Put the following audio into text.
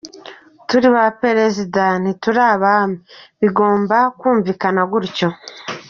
Turi ba Perezida, ntituri abami, bigomba kumvikana gutyo.